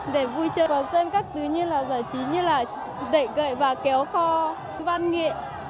để vui chơi đón xem các thứ như là giải trí như là đẩy gậy và kéo co văn nghệ